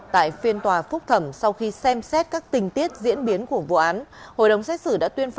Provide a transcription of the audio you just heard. tại phiên tòa phúc thẩm sau khi xem xét các tình tiết diễn biến của vụ án